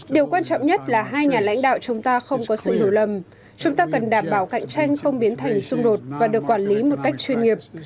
điều quan trọng nhất là hai nhà lãnh đạo chúng ta không có sự hiểu lầm chúng ta cần đảm bảo cạnh tranh không biến thành xung đột và được quản lý một cách chuyên nghiệp